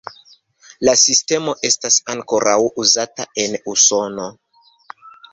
La sistemo estas ankoraŭ uzata en Usono.